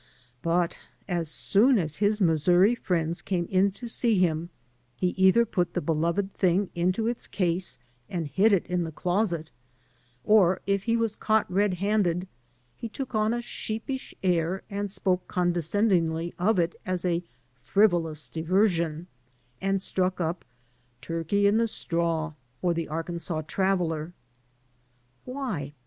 But as soon as his Missouri friends came in to sc^ him he either put the beloved thing into its case and 17 U7 AN AMERICAN IN THE MAKING hid it in the closet, or, if he was caught red handed, he took on a sheepish air and spoke condescendingly of it as a frivolous diversion, and struck up "Turkey in the Straw" or "The Arkansas Traveler/' Why?